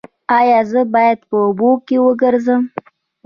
ایا زه باید په اوبو وګرځم؟